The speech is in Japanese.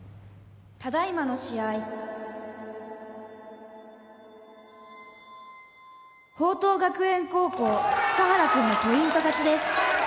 「ただ今の試合」「朋桐学園高校束原くんのポイント勝ちです」